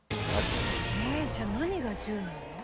えーっじゃあ何が１０なの？